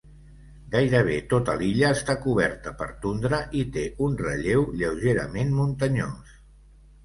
Gairebé tota l’illa està coberta per tundra i té un relleu lleugerament muntanyós.